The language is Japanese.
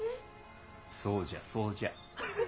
そうじゃそうじゃ。